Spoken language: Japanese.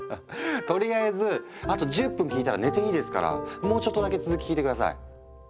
とりあえずあと１０分聞いたら寝ていいですからもうちょっとだけ続き聞いて下さい。